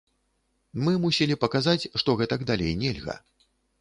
Мы мусілі паказаць, што гэтак далей нельга.